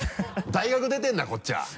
大学出てんだこっちは。